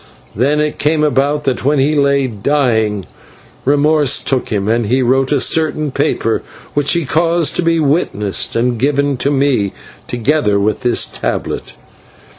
Then it came about that, when he lay dying, remorse took him, and he wrote a certain paper which he caused to be witnessed and given to me, together with this tablet.